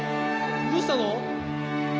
どうしたの？